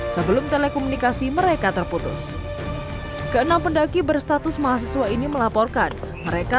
sebelum telekomunikasi mereka terputus keenam pendaki berstatus mahasiswa ini melaporkan mereka